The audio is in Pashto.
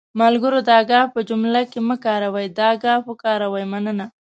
ملګرو دا گ په جملو کې مه کاروٸ، دا ګ وکاروٸ.مننه